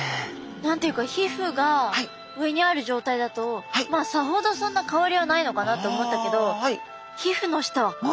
何て言うか皮膚が上にある状態だとさほどそんな変わりはないのかなと思ったけど皮膚の下はこんなつくりになってるんですね。